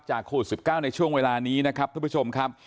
โควิด๑๙ในช่วงเวลานี้นะครับท่านผู้ชมครับ